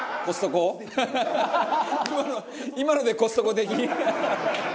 今のでコストコ出禁？